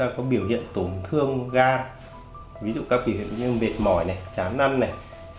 kịp thời để tránh